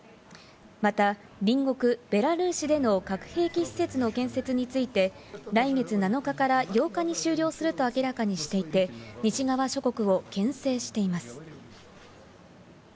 また隣国ベラルーシでの核兵器施設の建設について来月７日から８日に終了すると明らかにしていて、西側諸国をけん制しています。